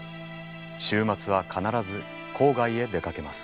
週末は必ず郊外へ出かけます。